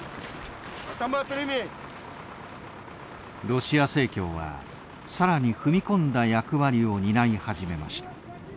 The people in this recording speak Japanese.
ロシア正教は更に踏み込んだ役割を担い始めました。